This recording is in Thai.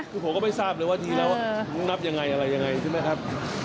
คือผมก็ไม่ทราบเลยว่าทีเรานับยังไงอะไรยังไงใช่ไหมครับ